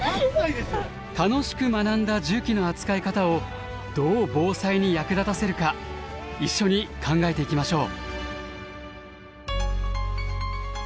楽しく学んだ重機の扱い方をどう防災に役立たせるか一緒に考えていきましょう。